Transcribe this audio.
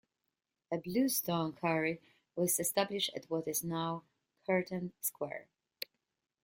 A bluestone quarry was established at what is now Curtain Square.